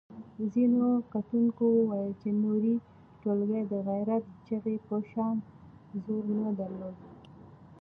ځینو کتونکو وویل چې نورې ټولګې د غیرت چغې په شان زور نه درلود.